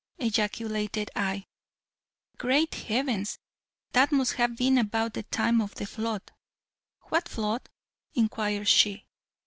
ejaculated I, "great heavens, that must have been about the time of the flood." "What flood?" inquired she.